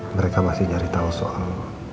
mereka masih cari tau soal